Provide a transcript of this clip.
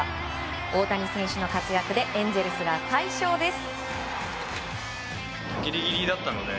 大谷選手の活躍でエンゼルスが快勝です。